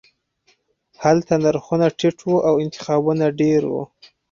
هلته نرخونه ټیټ وو او انتخابونه ډیر وو